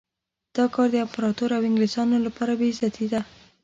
دا کار د امپراطور او انګلیسیانو لپاره بې عزتي ده.